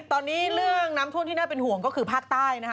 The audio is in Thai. ตอนนี้เรื่องน้ำท่วมที่น่าเป็นห่วงก็คือภาคใต้นะคะ